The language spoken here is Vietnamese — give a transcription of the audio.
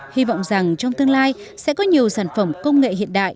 hy vọng rằng trong tương lai sẽ có nhiều sản phẩm công nghệ hiện đại